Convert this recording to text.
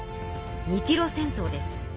日露戦争です。